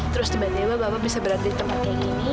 terus tiba tiba bapak bisa berada di tempat kayak gini